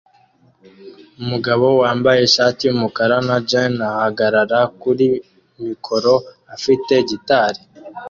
Umugabo wambaye ishati yumukara na jans ahagarara kuri mikoro afite gitari